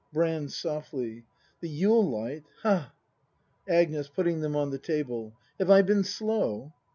Brand. [Softly.] The Yule light! Ha! Agnes. [Putting them on the table.] Have I been slow?